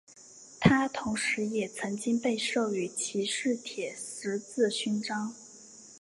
他同时也曾经被授予骑士铁十字勋章。